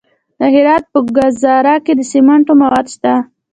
د هرات په ګذره کې د سمنټو مواد شته.